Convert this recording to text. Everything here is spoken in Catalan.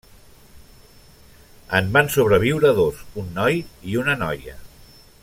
En van sobreviure dos, un noi i una noia.